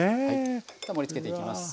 盛りつけていきます。